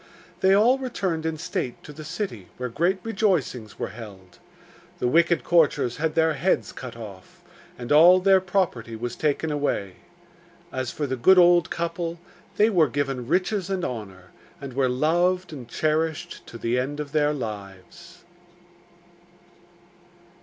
They all returned in state to the city, where great rejoicings were held. The wicked courtiers had their heads cut off, and all their property was taken away. As for the good old couple, they were given riches and honour, and were loved and cherished to the end of their lives.